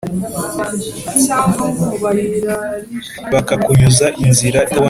bakakunyuza inzira itaboneye mbi